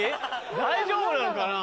大丈夫なのかな？